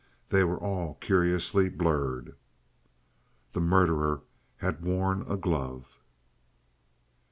They were all curiously blurred. _The murderer had worn a glove.